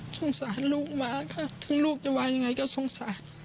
สงสารลูกมากค่ะถึงลูกจะว่ายังไงก็สงสาร